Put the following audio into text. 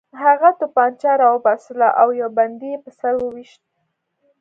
هغه توپانچه راوباسله او یو بندي یې په سر وویشت